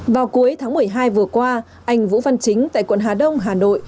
vào cuối tháng một mươi hai vừa qua anh vũ văn chính tại quận hà đông hà nội